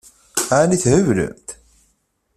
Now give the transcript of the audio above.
Ɛni theblemt?